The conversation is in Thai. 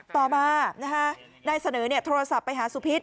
ต่อมานะฮะนายเสน๋อเนี่ยโทรศัพท์ไปหาสุพิษ